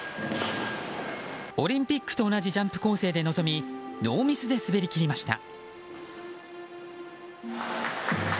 オリンピックと同じジャンプ構成で臨みノーミスで滑り切りました。